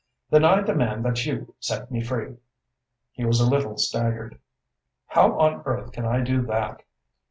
"Then I demand that you set me free." He was a little staggered. "How on earth can I do that?"